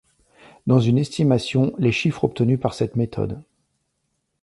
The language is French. Dans une estimation les chiffres obtenus par cette méthode.